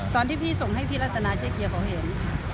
พี่ส่งให้พี่รัตนาเจ๊เกียวเขาเห็น